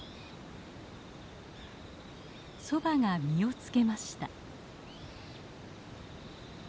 ソバが実を付けました。